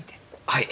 はい。